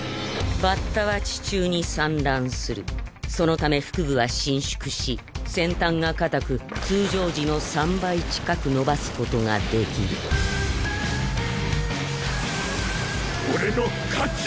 バッタは地中に産卵するそのため腹部は伸縮し先端が硬く通常時の３倍近く伸ばすことができる俺の勝ち！